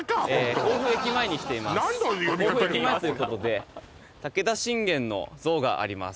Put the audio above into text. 甲府駅前ということで武田信玄の像があります